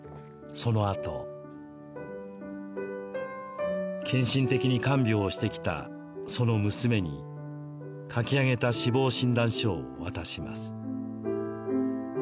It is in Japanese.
そのあと献身的に看病をしてきたその娘に書き上げた死亡診断書を渡します。